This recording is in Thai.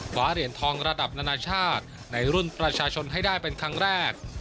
ขวาเหรียญทองระดับนานาชาติในรุ่นประชาชนให้ได้เป็นครั้งแรก